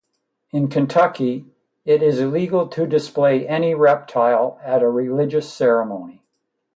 In Kentucky, it is illegal to display any reptile at a religious ceremony.